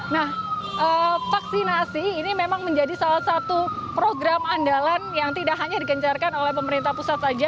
nah vaksinasi ini memang menjadi salah satu program andalan yang tidak hanya digencarkan oleh pemerintah pusat saja